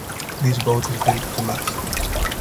This boat is built to last.